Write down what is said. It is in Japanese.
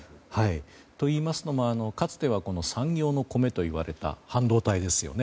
といいますのも、かつては産業のコメともいわれた半導体ですよね。